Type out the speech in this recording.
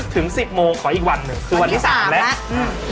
ถึง๑๐โมงขออีกวันหนึ่งดูวันที่๓แล้วอืม